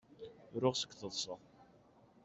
Ruɣ seg teḍsa.